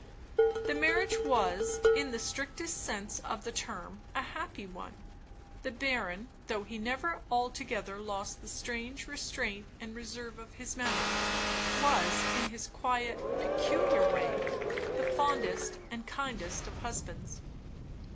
The marriage was, in the strictest sense of the term, a happy one. The baron, though he never altogether lost the strange restraint and reserve of his manner, was, in his quiet, peculiar way, the fondest and kindest of husbands.